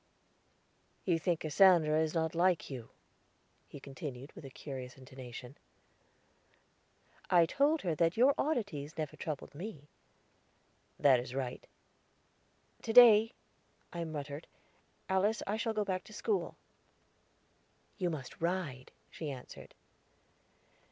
"You think Cassandra is not like you," he continued with a curious intonation. "I told her that your oddities never troubled me." "That is right." "To day," I muttered, "Alice, I shall go back to school." "You must ride," she answered.